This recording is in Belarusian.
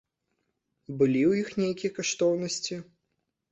Былі ў іх нейкія каштоўнасці?